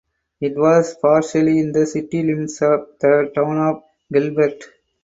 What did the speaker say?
It was partially in the city limits of the town of Gilbert.